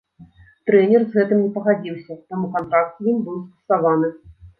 Трэнер з гэтым не пагадзіўся, таму кантракт з ім быў скасаваны.